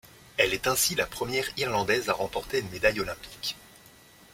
Elle est ainsi la première Irlandaise à remporter une médaille olympique.